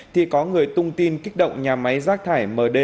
thì có người tung tin kích động nhà máy rác thải md